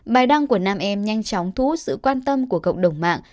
bài đăng của nam em nhanh chóng thú sự quan tâm của cộng đồng mạng